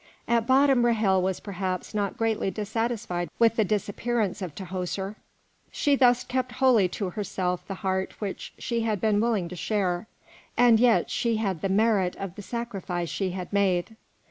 At bottom Ra'hel was perhaps not greatly dissatisfied with the disappearance of Tahoser; she thus kept wholly to herself the heart which she had been willing to share, and yet she had the merit of the sacrifice she had made.